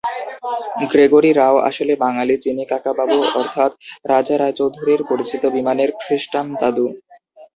Gregory Rao আসলে বাঙালি, যিনি কাকাবাবু অর্থাৎ রাজা রায়চৌধুরীর পরিচিত বিমানের খৃষ্টান দাদু।